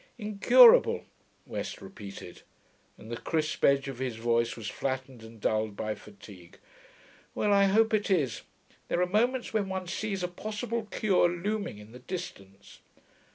'Incurable,' West repeated, and the crisp edge of his voice was flattened and dulled by fatigue. 'Well, I hope it is. There are moments when one sees a possible cure looming in the distance.'